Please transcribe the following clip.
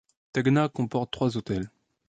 Tegna comporte trois hôtels.